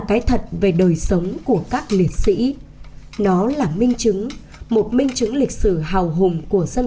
cái thật về đời sống của các liệt sĩ nó là minh chứng một minh chứng lịch sử hào hùng của dân